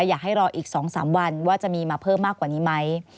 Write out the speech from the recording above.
อยากให้รออีก๒๓วันว่าจะมีมาเพิ่มมากกว่านี้ไหม